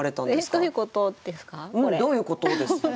うん「どういうこと？」です。